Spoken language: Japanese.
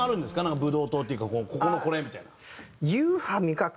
ブドウ糖っていうかここのこれみたいな。